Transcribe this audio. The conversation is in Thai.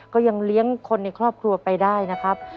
ก็ยังเลี้ยงคนในครอบครัวไปได้นะครับ